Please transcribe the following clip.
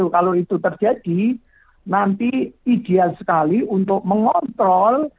kalau itu terjadi nanti ideal sekali untuk mengontrol